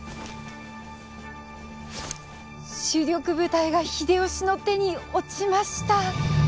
主力部隊が秀吉の手に落ちました。